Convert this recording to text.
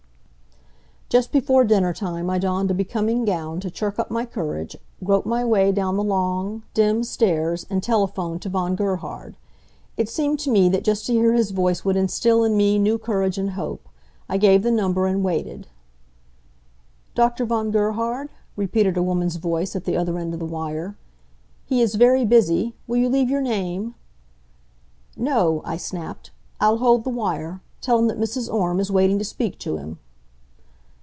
Just before dinner time I donned a becoming gown to chirk up my courage, groped my way down the long, dim stairs, and telephoned to Von Gerhard. It seemed to me that just to hear his voice would instill in me new courage and hope. I gave the number, and waited. "Dr. von Gerhard?" repeated a woman's voice at the other end of the wire. "He is very busy. Will you leave your name?" "No," I snapped. "I'll hold the wire. Tell him that Mrs. Orme is waiting to speak to him."